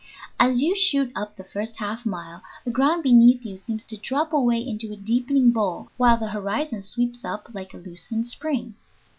As you shoot up the first half mile the ground beneath you seems to drop away into a deepening bowl, while the horizon sweeps up like a loosened spring.